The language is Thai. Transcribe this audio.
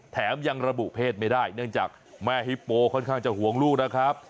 แถมยังระบุเพศไม่ได้เนื่องจากแม่ฮิปโปค่อนข้างจะห่วงลูกนะครับ